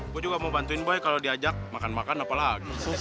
gue juga mau bantuin bayi kalau diajak makan makan apalagi